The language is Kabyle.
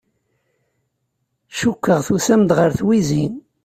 Cukkeɣ tusam-d ɣer twizi.